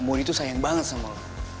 murni tuh sayang banget sama lu